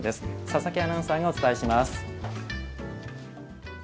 佐々木アナウンサーがお伝えします。